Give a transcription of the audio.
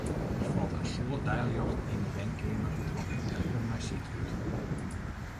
Der falt in soad deiljocht yn 'e wenkeamer troch in erker mei sydrút.